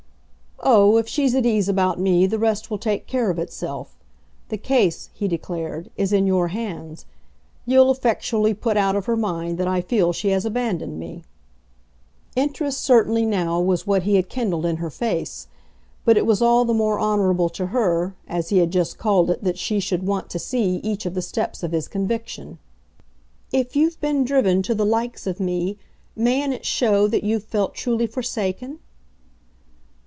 "Oh, if she's at ease about me the rest will take care of itself. The case," he declared, "is in your hands. You'll effectually put out of her mind that I feel she has abandoned me." Interest certainly now was what he had kindled in her face, but it was all the more honourable to her, as he had just called it that she should want to see each of the steps of his conviction. "If you've been driven to the 'likes' of me, mayn't it show that you've felt truly forsaken?"